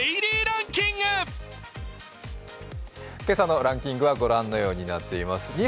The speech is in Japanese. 今朝のランキングは御覧のようになっています。